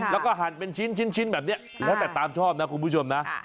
แล้วก็หั่นเป็นชิ้นแบบนี้แล้วแต่ตามชอบนะคุณผู้ชมนะ